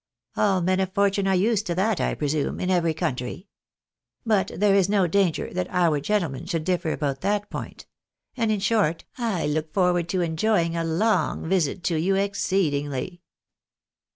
All men of fortune are used to that, I presume, in every country. But there is no danger that our gentlemen should difi'sr about that point — and in short, I look forward to enjoying a long visit to you exceedingly."